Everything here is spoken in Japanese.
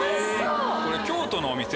これ京都のお店。